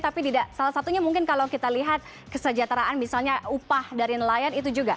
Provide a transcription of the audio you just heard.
tapi salah satunya mungkin kalau kita lihat kesejahteraan misalnya upah dari nelayan itu juga